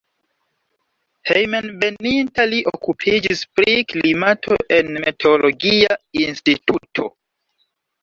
Hejmenveninta li okupiĝis pri klimato en meteologia instituto.